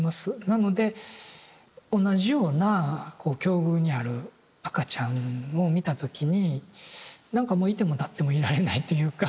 なので同じようなこう境遇にある赤ちゃんを見た時になんかもう居ても立ってもいられないというか。